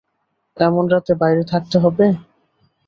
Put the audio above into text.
এমন রাতে বাইরে থাকতে হবে?